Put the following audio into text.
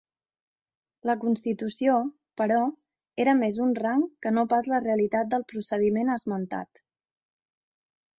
La constitució, però, era més un rang que no pas la realitat del procediment esmentat.